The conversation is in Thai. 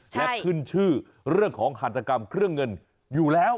และขึ้นชื่อเรื่องของหัตกรรมเครื่องเงินอยู่แล้ว